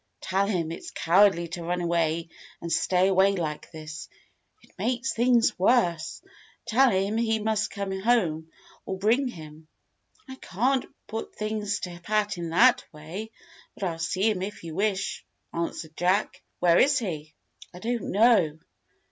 Tell him it's cowardly to run away and stay away like this. It makes things worse. Tell him he must come home or bring him." "I can't put things to Pat in that way, but I'll see him if you wish," answered Jack. "Where is he?" "I don't know."